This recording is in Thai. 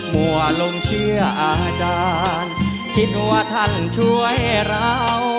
มั่วลงเชื่ออาจารย์คิดว่าท่านช่วยเรา